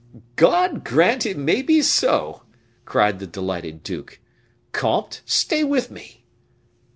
"God grant it may be so!" cried the delighted duke. "Comte, stay with me!"